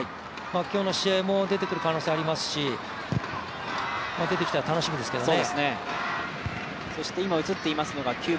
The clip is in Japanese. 今日の試合も出てくる可能性ありますし出てきたら、楽しみですね。